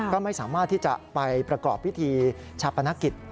ก็ไม่สามารถที่จะไปประกอบพิธีชาปนกิจ